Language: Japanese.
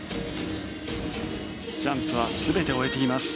ジャンプは全て終えています。